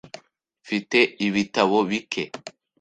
Mfite ibitabo bike .